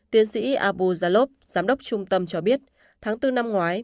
tiến sĩ abu zalov giám đốc trung tâm cho biết tháng bốn năm ngoái